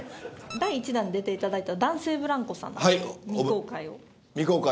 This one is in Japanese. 第１弾に出ていただいた男性ブランコさんの未公開を。